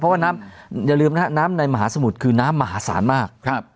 เพราะว่าน้ำอย่าลืมนะครับน้ำในมหาสมุทรคือน้ำมหาศาลมาก